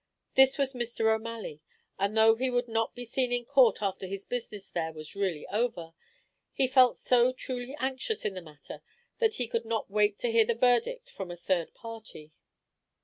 This was Mr. O'Malley and though he would not be seen in court after his business there was really over, he felt so truly anxious in the matter that he could not wait to hear the verdict from a third party.